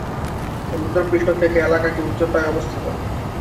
সমুদ্রপৃষ্ঠ থেকে এলাকাটি উচ্চতায় অবস্থিত।